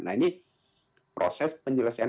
nah ini proses penyelenggaraan